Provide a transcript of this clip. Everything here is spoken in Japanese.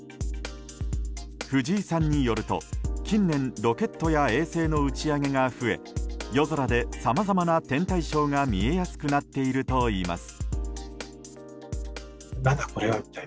藤井さんによると、近年ロケットや衛星の打ち上げが増え夜空でさまざまな天体ショーが見えやすくなっているといいます。